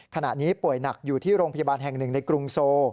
ขณะนี้ป่วยหนักอยู่ที่โรงพยาบาลแห่งหนึ่งในกรุงโซ